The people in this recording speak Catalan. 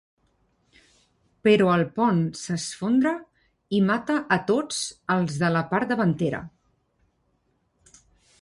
Però el pont s'esfondra i mata a tots els de la part davantera.